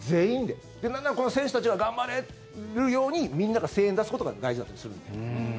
で、なんならこの選手たちが頑張れるようにみんなが声援を出すことが大事だったりする。